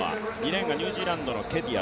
２レーンがニュージーランドのケティア。